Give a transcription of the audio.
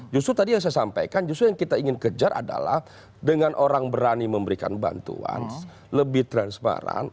justru tadi yang saya sampaikan justru yang kita ingin kejar adalah dengan orang berani memberikan bantuan lebih transparan